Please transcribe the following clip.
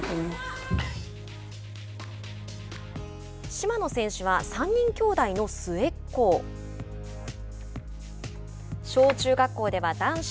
島野選手は３人きょうだいの末っ子。